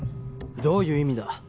どういう意味だ？